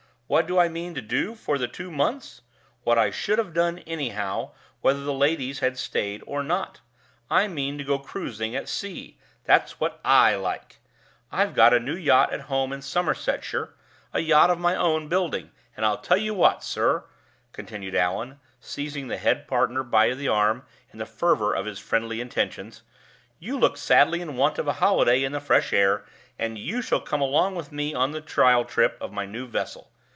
What do I mean to do for the two months? What I should have done anyhow, whether the ladies had stayed or not; I mean to go cruising at sea. That's what I like! I've got a new yacht at home in Somersetshire a yacht of my own building. And I'll tell you what, sir," continued Allan, seizing the head partner by the arm in the fervor of his friendly intentions, "you look sadly in want of a holiday in the fresh air, and you shall come along with me on the trial trip of my new vessel.